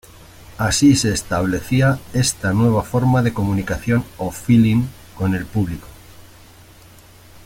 Así se establecía esta nueva forma de comunicación o "feeling" con el público.